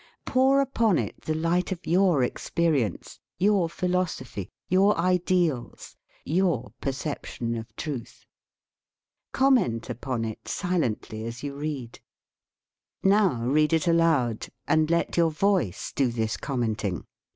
Pour upon it the light of your experience, your philosophy, your ideals, your perception of truth. Comment upon it si lently as you read. Now read it aloud and let your voice do this commenting.